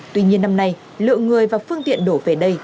tuy nhiên năm nay lượng người và phương tiện đổ về đây